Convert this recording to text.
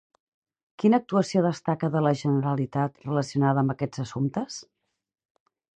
Quina actuació destaca de la Generalitat relacionada amb aquests assumptes?